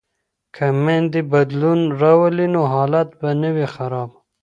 که میندې بدلون راولي نو حالت به نه وي خراب.